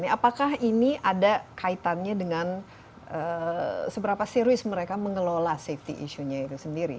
apakah ini ada kaitannya dengan seberapa serius mereka mengelola safety issue nya itu sendiri